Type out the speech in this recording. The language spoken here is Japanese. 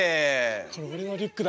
これ俺のリュックだ。